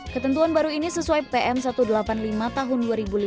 ketentuan baru ini sesuai pm satu ratus delapan puluh lima tahun dua ribu lima belas